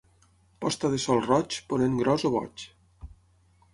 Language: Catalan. Posta de sol roig, ponent gros o boig.